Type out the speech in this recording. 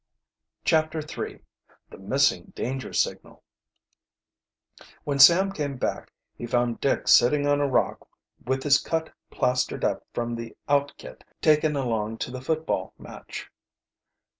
CHAPTER III THE MISSING DANGER SIGNAL When Sam came back he found Dick sitting on a rock with his cut plastered up from the out kit taken along to the football match.